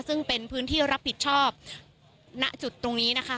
ซึ่งเป็นพื้นที่รับผิดชอบณจุดตรงนี้นะคะ